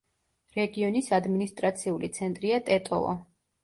რეგიონის ადმინისტრაციული ცენტრია ტეტოვო.